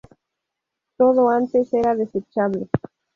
Todo antes era desechable.